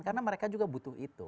karena mereka juga butuh itu